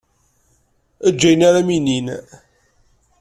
Eg ayen ara am-inin.